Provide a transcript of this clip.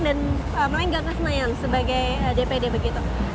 dan melenggak ke senayan sebagai dpd begitu